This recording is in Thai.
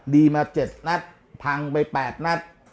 ดีมา๗นัดพังไป๘นัด